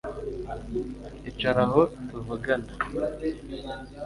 icara aho tuvugana